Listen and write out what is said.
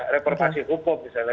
reputasi hukum misalnya